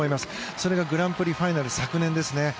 それがグランプリファイナル昨年ですね。